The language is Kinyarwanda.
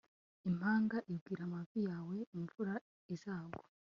impanga ibwira amavi yawe imvura izagwa